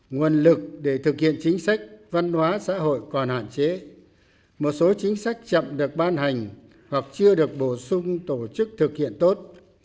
nguồn lực để thực hiện chính sách văn hóa xã hội còn hạn chế một số chính sách chậm được ban hành hoặc chưa được bổ sung tổ chức thực hiện tốt